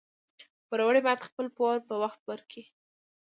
پوروړي باید خپل پور په وخت ورکړي